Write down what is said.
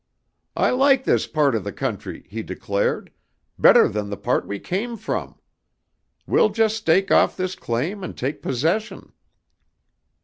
"'I like this part of the country,' he declared, 'better than the part we came from. We'll just stake off this claim and take possession.'